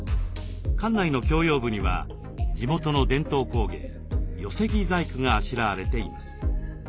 館内の共用部には地元の伝統工芸寄せ木細工があしらわれています。